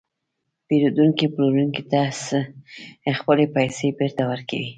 پېرودونکی پلورونکي ته خپلې پیسې بېرته ورکوي